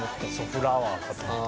『フラワー』かと思った。